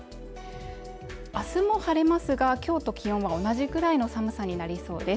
あすも晴れますが今日と気温が同じぐらいの寒さになりそうです。